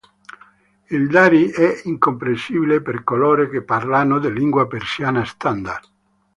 Il dari è incomprensibile per coloro che parlano la lingua persiana standard.